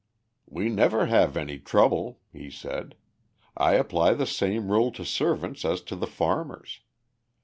"We never have any trouble," he said. "I apply the same rule to servants as to the farmers.